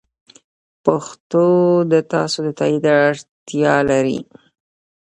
پښتو د تاسو د تایید اړتیا لري.